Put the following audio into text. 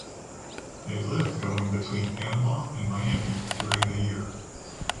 They live going between Panama and Miami during the year.